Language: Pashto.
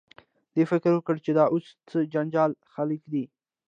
دې فکر وکړ چې دا اوس څه جنجالي خلک دي.